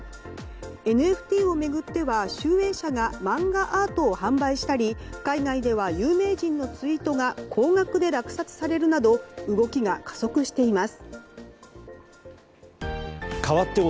ＮＦＴを巡っては集英社がマンガアートを販売したり海外では有名人のツイートが高額で落札されるなど動きが加速しています。